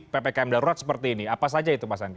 ppkm darurat seperti ini apa saja itu pak sandi